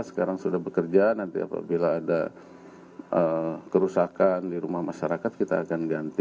sekarang sudah bekerja nanti apabila ada kerusakan di rumah masyarakat kita akan ganti